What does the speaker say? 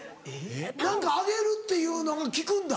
何かあげるっていうのが効くんだ。